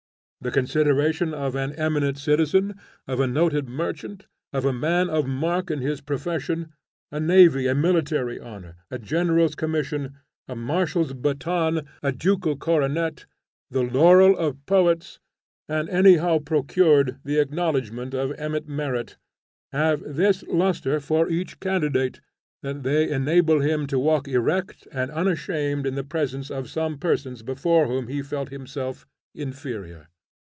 The consideration of an eminent citizen, of a noted merchant, of a man of mark in his profession; a naval and military honor, a general's commission, a marshal's baton, a ducal coronet, the laurel of poets, and, anyhow procured, the acknowledgment of eminent merit, have this lustre for each candidate that they enable him to walk erect and unashamed in the presence of some persons before whom he felt himself inferior.